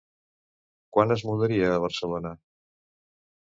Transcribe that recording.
Quan es mudaria a Barcelona?